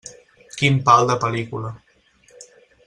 Quin pal de pel·lícula.